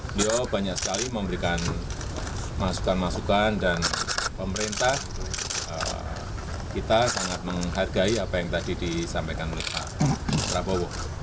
beliau banyak sekali memberikan masukan masukan dan pemerintah kita sangat menghargai apa yang tadi disampaikan oleh pak prabowo